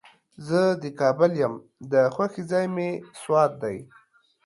زه د کابل یم، د خوښې ځای مې سوات دی.